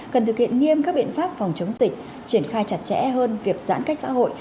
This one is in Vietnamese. cần thực hiện nghiêm các biện pháp phòng chống dịch triển khai chặt chẽ hơn việc giãn cách xã hội